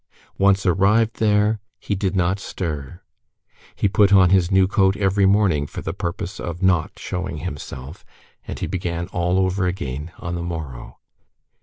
Once arrived there, he did not stir. He put on his new coat every morning, for the purpose of not showing himself, and he began all over again on the morrow.